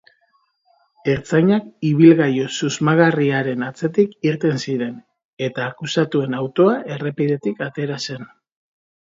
Ertzainak ibilgailu susmagarriaren atzetik irten ziren eta akusatuen autoa errepidetik atera zen.